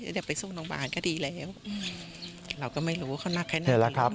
เดี๋ยวไปสู้โรงพยาบาลก็ดีแล้วเราก็ไม่รู้ว่าเขานักแค่ไหนครับ